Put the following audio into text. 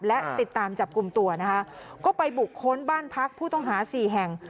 และติดตามจับกลุ่มตัวนะคะก็ไปบุคคลบ้านพักผู้ต้องหาสี่แห่ง